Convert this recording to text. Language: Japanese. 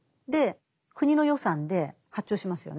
国の予算で発注しますよね。